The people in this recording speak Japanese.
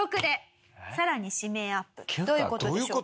どういう事でしょうか？